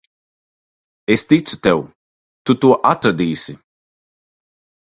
Es ticu tev. Tu to atradīsi.